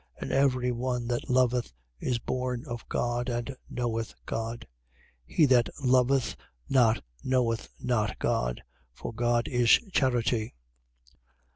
And every one that loveth is born of God and knoweth God. 4:8. He that loveth not knoweth not God: for God is charity.